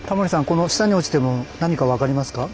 この下に落ちてるの何か分かりますか？